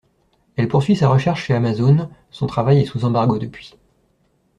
Elle poursuit sa recherche chez Amazon, son travail est sous embargo depuis.